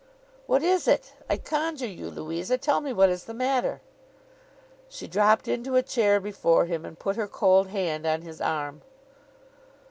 'What is it? I conjure you, Louisa, tell me what is the matter.' She dropped into a chair before him, and put her cold hand on his arm.